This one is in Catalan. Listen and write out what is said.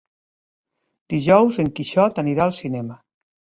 Dijous en Quixot anirà al cinema.